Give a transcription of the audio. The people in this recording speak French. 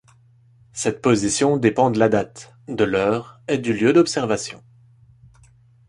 Cette position dépend de la date, de l'heure et du lieu d'observation.